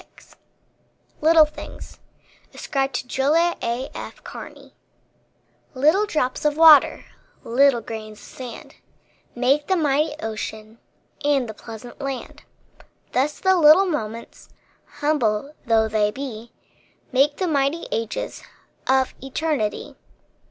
MARGARET VANDERGRIFT LITTLE THINGS Little drops of water Little grains of sand, Make the mighty ocean, And the pleasant land. Thus the little moments, Humble though they be, Make the mighty ages Of eternity.